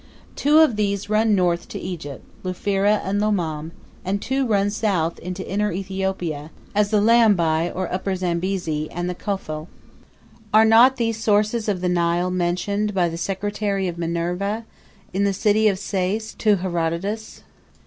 Two of these run north to Egypt, Lufira and Lomame, and two run south into inner Ethiopia, as the Leambaye, or Upper Zambezi, and the Kaful. Are not these the sources of the Nile mentioned by the Secretary of Minerva, in the city of Sais, to Herodotus?